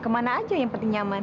kemana aja yang penting nyaman